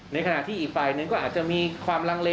ในขณะที่อีกฝ่ายหนึ่งก็อาจจะมีความลังเล